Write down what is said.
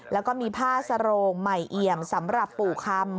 แล้วก็มีผ้าสโรงใหม่เอี่ยมสำหรับปู่คำ